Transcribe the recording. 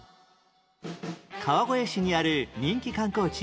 川越市にある人気観光地